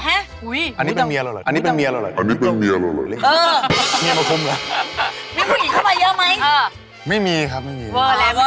อันนี้เป็นเมียเราเหรอมีผู้หญิงเขามาเยอะไหมไม่มีครับจริงเรา